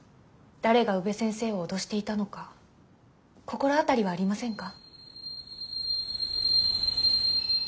誰が宇部先生を脅していたのか心当たりはありませんか？